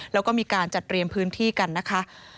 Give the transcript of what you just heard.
แล้วก็มีการจัดเตรียมพื้นที่กันนะคะ